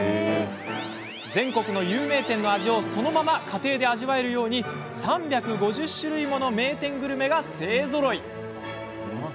全国の有名店の味をそのまま家庭で味わえるよう３５０種類もの名店グルメが勢ぞろい。